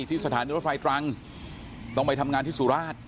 ที่สถานีรถไฟตรังต้องไปทำงานที่สุราช